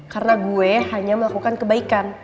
karena gue hanya melakukan kebaikan